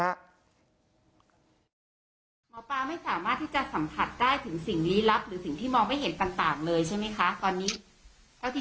หมอปลาไม่สามารถที่จะสัมผัสได้ถึงสิ่งลีหลับ